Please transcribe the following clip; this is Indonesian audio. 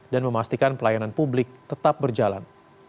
dan memastikan pelayanan publik tetap berjalan